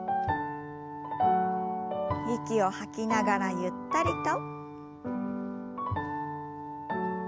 息を吐きながらゆったりと。